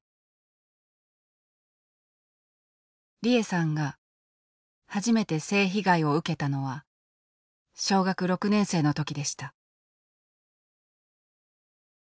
利枝さんが初めて性被害を受けたのは小学６年生の時でした。